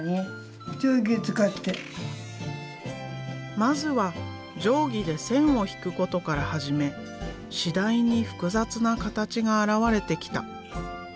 まずは定規で線を引くことから始め次第に複雑な形が現れてきた。